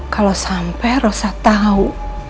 kalau sampai rosa tau